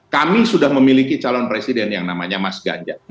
kami sudah memiliki calon presiden yang namanya mas ganjar